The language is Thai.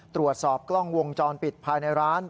ตรวจสอบกล้องวงจรปิดภายในร้าน